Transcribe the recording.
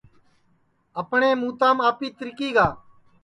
اپٹؔیں موتام آپی تِرکی گا